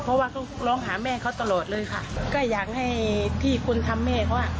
เพราะว่าเขาร้องหาแม่เขาตลอดเลยค่ะก็อยากให้ที่คุณทำแม่เขาอ่ะ